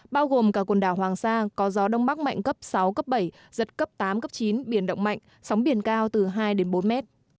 bao gồm cả quần đảo hoàng sa có gió đông bắc mạnh cấp sáu bảy giật cấp tám chín biển động mạnh sóng biển cao từ hai bốn m